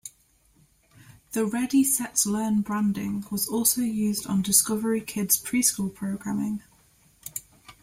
The "Ready Set Learn" branding was also used on Discovery Kids' preschool programming.